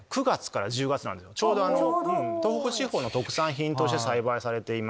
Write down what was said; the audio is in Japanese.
東北地方の特産品として栽培されています。